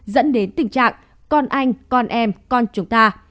dẫn đến tình trạng con anh con em con chúng ta